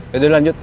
ya udah lanjut